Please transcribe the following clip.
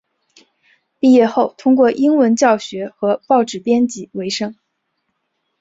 毕业后通过英文教学和报纸编辑维生。